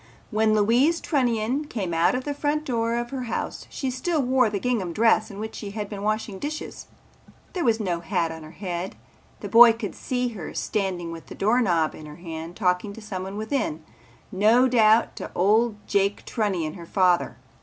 When Louise Trunnion came out of the front door of her house she still wore the gingham dress in which she had been washing dishes. There was no hat on her head. The boy could see her standing with the doorknob in her hand talking to someone within, no doubt to old Jake Trunnion, her father.